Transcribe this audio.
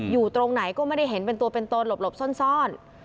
อยู่ตรงไหนก็ไม่ได้เห็นเป็นตัวเป็นตนหลบซ่อน